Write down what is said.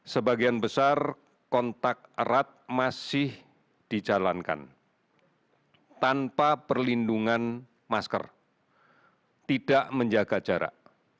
sebagian besar kontak erat masih dijalankan tanpa perlindungan masker tidak menjaga jarak